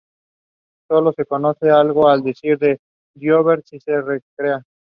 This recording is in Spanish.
Sólo se conoce algo, al decir de Gioberti, si se recrea.